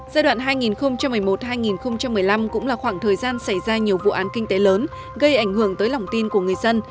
giai đoạn hai nghìn một mươi một hai nghìn một mươi năm cũng là khoảng thời gian xảy ra nhiều vụ án kinh tế lớn gây ảnh hưởng tới lòng tin của người dân